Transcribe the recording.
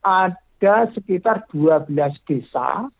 ada sekitar dua belas desa